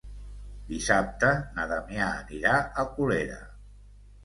Dissabte na Damià anirà a Colera.